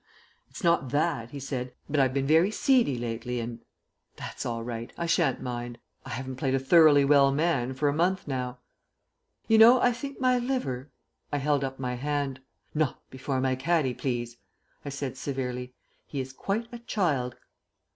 "It's not that," he said. "But I've been very seedy lately, and " "That's all right; I shan't mind. I haven't played a thoroughly well man for a month, now." "You know, I think my liver " I held up my hand. "Not before my caddie, please," I said severely; "he is quite a child."